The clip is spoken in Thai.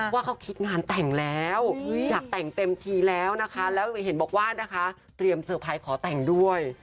ว่าเขาคิดงานแต่งแล้วอยากแต่งเต็มทีแล้วนะคะแล้วเห็นบอกว่านะคะเตรียมเตอร์ไพรส์ขอแต่งด้วย